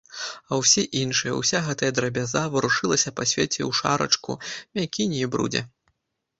А ўсе іншыя, уся гэтая драбяза, варушылася на свеце ў шарачку, мякіне і брудзе.